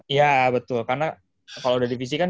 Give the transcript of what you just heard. iya betul karena kalau udah divisi kan